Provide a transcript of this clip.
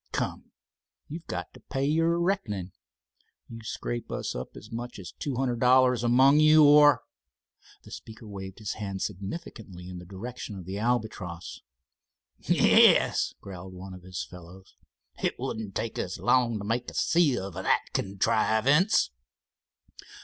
Come, you've got to pay your reckoning. You scrape us up as much as two hundred dollars among you, or——" The speaker waved his hand significantly in the direction of the Albatross. "Yes," growled one of his fellows. "It wouldn't take us long to make a sieve of that contrivance."